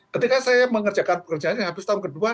ketika saya mengerjakan pekerjaan yang habis tahun ke dua